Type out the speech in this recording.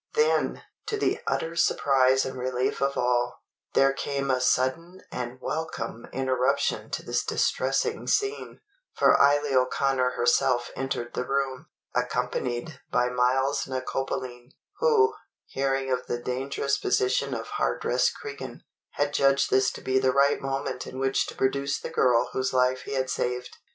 Then, to the utter surprise and relief of all, there came a sudden and welcome interruption to this distressing scene; for Eily O'Connor herself entered the room, accompanied by Myles na Coppaleen, who, hearing of the dangerous position of Hardress Cregan, had judged this to be the right moment in which to produce the girl whose life he had saved.